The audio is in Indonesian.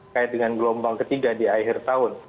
kait dengan gelombang ketiga di akhir tahun